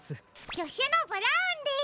じょしゅのブラウンです。